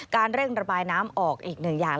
เร่งระบายน้ำออกอีกหนึ่งอย่าง